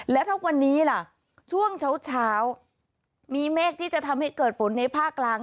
แล้วถ้าวันนี้ล่ะช่วงเช้ามีเมฆที่จะทำให้เกิดฝนในภาคกลาง